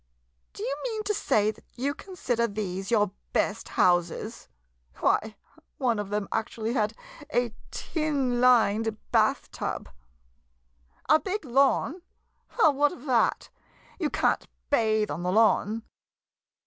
Do you mean to say that you consider these your best houses? Why, one of them actually had a tin lined bath tub! A big lawn ? Well, what of that — you can't bathe on the lawn!